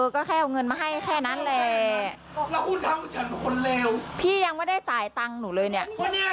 ก็แค่เอาเงินมาให้แค่นั้นแหละพี่ยังไม่ได้จ่ายตังค์หนูเลยเนี่ย